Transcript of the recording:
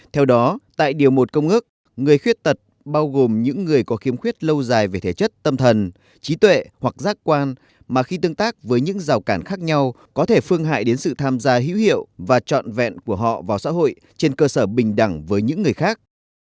theo đó tại điều một công ước người khuyết tật bao gồm những người có khiếm khuyết lâu dài về thể chất tâm thần trí tuệ hoặc giác quan mà khi tương tác với những rào cản khác nhau có thể phương hại đến sự tham gia hữu hiệu và trọn vẹn của họ vào xã hội trên cơ sở bình đẳng với những người khác